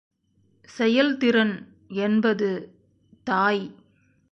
செயல்திறன் என்பது தாய்.